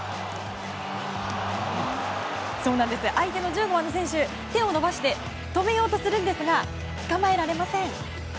相手の１５番の選手手を伸ばして止めようとしますが捕まえられません。